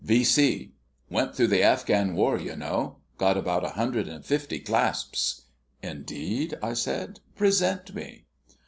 V. C. Went through the Afghan war, you know got about a hundred and fifty clasps." "Indeed?" I said. "Present me."